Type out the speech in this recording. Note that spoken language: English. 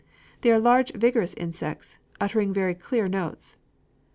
They are large vigorous insects, uttering very clear notes.